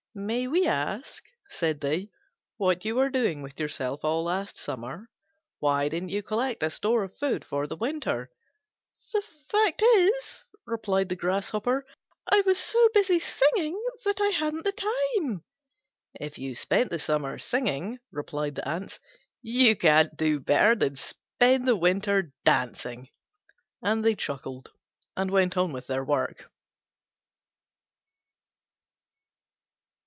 "May we ask," said they, "what you were doing with yourself all last summer? Why didn't you collect a store of food for the winter?" "The fact is," replied the Grasshopper, "I was so busy singing that I hadn't the time." "If you spent the summer singing," replied the Ants, "you can't do better than spend the winter dancing." And they chuckled and went on with their work.